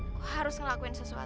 aku harus ngelakuin sesuatu